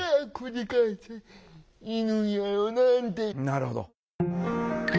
なるほど。